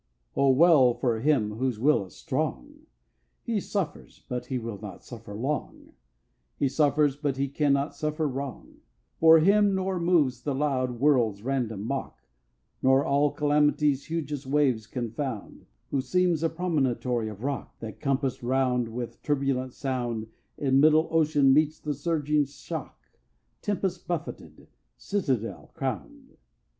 1. O well for him whose will is strong! He suffers, but he will not suffer long; He suffers, but he cannot suffer wrong: For him nor moves the loud world's random mock, Nor all Calamity's hugest waves confound, Who seems a promontory of rock, That, compass'd round with turbulent sound, In middle ocean meets the surging shock, Tempest buffeted, citadel crown'd.